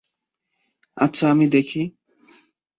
আচ্ছা, আমি দেখি।